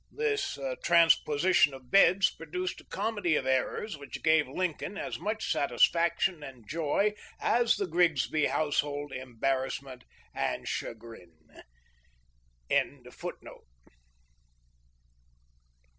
The transposition of beds produced a comedy of errors which gave Lincoln as much satisfaction and joy as the Grigsby household embarrassment and chagrin. 52 THE LIFE OF LINCOLN.